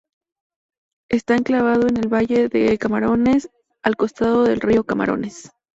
Está enclavado en el valle de Camarones, al costado del río Camarones.